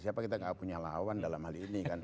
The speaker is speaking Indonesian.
siapa kita nggak punya lawan dalam hal ini kan